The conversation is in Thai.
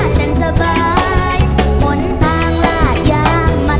ก็ห้อนเหลือจอยหน้าแห้งน้ำ